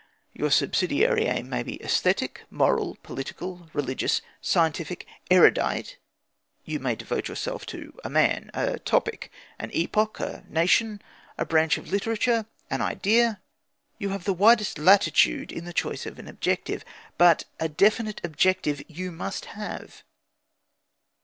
Your subsidiary aim may be æsthetic, moral, political, religious, scientific, erudite; you may devote yourself to a man, a topic, an epoch, a nation, a branch of literature, an idea you have the widest latitude in the choice of an objective; but a definite objective you must have.